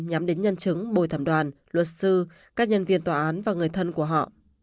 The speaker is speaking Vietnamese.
nhắm đến nhân chứng bồi thẩm đoàn luật sư các nhân viên tòa án và người thân của họ